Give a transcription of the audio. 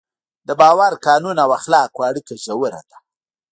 د باور، قانون او اخلاقو اړیکه ژوره ده.